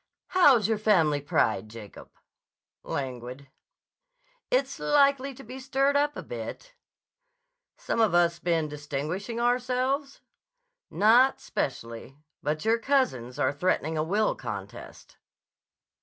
"How's your family pride, Jacob?" "Languid." "It's likely to be stirred up a bit." "Some of us been distinguishing ourselves?" "Not specially. But your cousins are threatening a will contest."